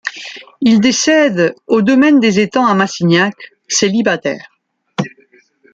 Il décède au domaine des Étangs à Massignac, célibataire.